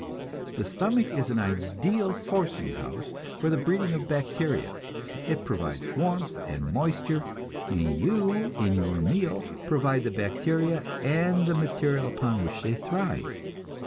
The stomach is an ideal forcing house for the breeding of bacteria. It provides warmth and moisture, and you, in your meal, provide the bacteria and the material upon which they thrive.